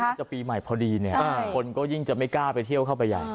จะปีใหม่พอดีเนี่ยคนก็ยิ่งจะไม่กล้าไปเที่ยวเข้าไปใหญ่